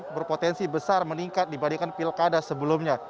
berpotensi besar meningkat dibandingkan pilkada sebelumnya